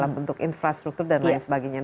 pembangunan daerah infrastruktur dan lain sebagainya